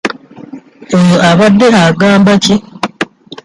Oyo abadde agamba ki?